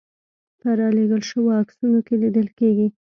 په رالېږل شویو عکسونو کې لیدل کېږي.